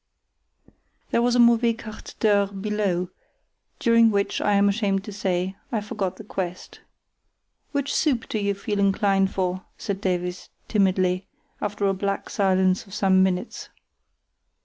There was a mauvais quart d'heure below, during which, I am ashamed to say, I forgot the quest. "Which soup do you feel inclined for?" said Davies, timidly, after a black silence of some minutes.